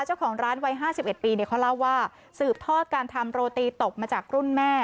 เจ้าของร้านวัย๕๑ปีเขาเล่าว่าสืบทอดการทำโรตีตกมาจากรุ่นแม่